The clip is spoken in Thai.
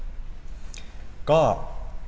ก็คือทำไมผมถึงไปยื่นคำร้องต่อสารเนี่ย